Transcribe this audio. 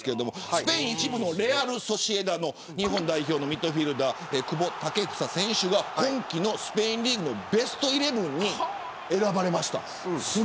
スペイン１部レアル・ソシエダの日本代表のミッドフィルダー久保建英選手が今季のスペインリーグのベストイレブンに選ばれました。